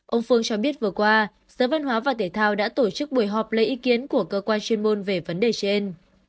ông phương cho biết vừa qua giới văn hóa và thể thao đã tổ chức buổi họp lấy ý kiến của cơ quan chuyên môn về vấn đề trên